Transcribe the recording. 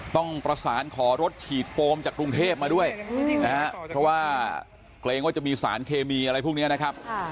ต้องประสานขอรถฉีดโฟมจากกรุงเทพมาด้วยนะฮะเพราะว่าเกรงว่าจะมีสารเคมีอะไรพวกนี้นะครับ